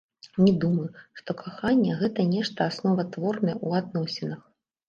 Не думаю, што каханне, гэта нешта асноватворнае ў адносінах.